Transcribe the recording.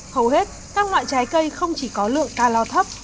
hầu hết các loại trái cây không chỉ có lượng ca lo thấp